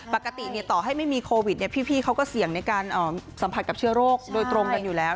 ปกติต่อให้ไม่มีโควิดพี่เขาก็เสี่ยงในการสัมผัสกับเชื้อโรคโดยตรงกันอยู่แล้ว